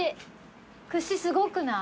串すごくない？